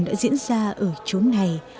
đã diễn ra ở chỗ này